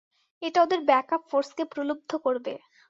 এটা ওদের ব্যাকআপ ফোর্সকে প্রলুব্ধ করবে।